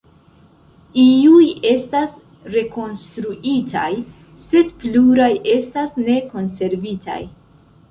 Iuj estas rekonstruitaj, sed pluraj estas ne konservitaj.